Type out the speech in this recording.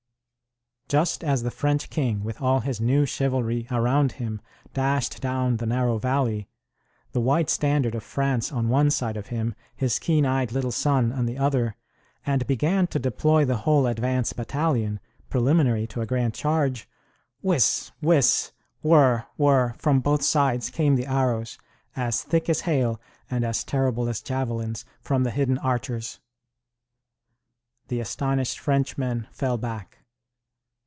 Just as the French king, with all his new chivalry around him, dashed down the narrow valley the white standard of France on one side of him, his keen eyed little son on the other and began to deploy the whole advance battalion, preliminary to a grand charge whiz! whiz! whir! whir! from both sides came the arrows, as thick as hail and as terrible as javelins, from the hidden archers. The astonished Frenchmen fell back.